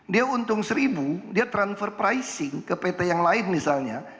dia untung seribu dia transfer pricing ke pt yang lain misalnya